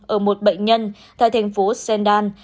ở một bệnh nhân tại thành phố sendan